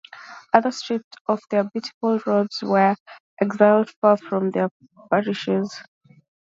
Others, stripped of their beautiful robes, were exiled far from their parishes.